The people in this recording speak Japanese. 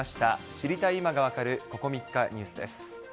知りたい今がわかるここ３日ニュースです。